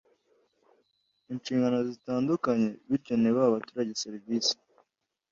inshingano zitandukanye bityo ntibahe abaturage serivisi